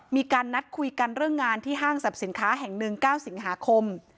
มีการนัดคุยกันเรื่องงานที่ห้างสรรพสินค้าแห่งหนึ่ง๙สิงหาคม